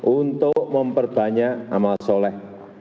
untuk memperbanyak amal soleh